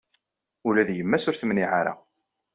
Ula d yemma-s ur temniɛ ara.